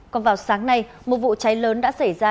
còn vào sáng nay một vụ cháy lớn đã xảy ra